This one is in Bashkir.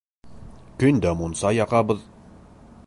Көн дә мунса яғабыҙ.